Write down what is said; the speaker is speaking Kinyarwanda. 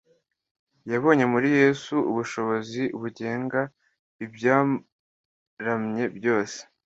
Yabonye muri Yesu ubushobozi bugenga ibyarcmye byose.